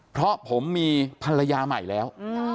เพราะผมมีภรรยาใหม่แล้ว